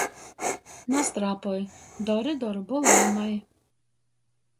Nastrāpoj, dori dorbu lānai!